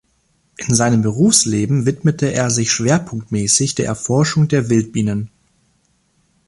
In seinem Berufsleben widmete er sich schwerpunktmäßig der Erforschung der Wildbienen.